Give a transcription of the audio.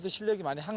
mereka akan menang